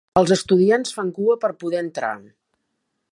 Els estudiants fan cua per poder entrar.